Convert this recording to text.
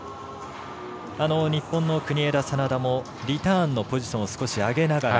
日本の国枝、眞田もリターンのポジションを少し上げながら。